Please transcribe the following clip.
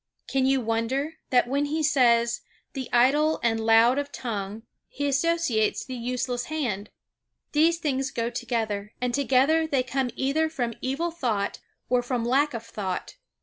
Can you wonder, that when he says, "the idle and loud of tongue" he associates the "useless hand." These things go together, and together they come either from evil thought or from lack of thought.